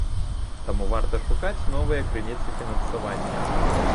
Таму варта шукаць новыя крыніцы фінансавання.